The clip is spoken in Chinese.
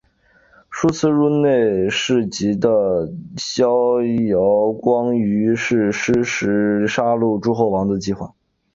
数次入内侍疾的萧遥光于是施行杀戮诸侯王的计划。